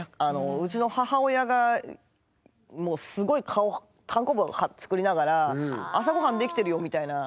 うちの母親がもうすごい顔たんこぶ作りながら「朝ごはんできてるよ」みたいな。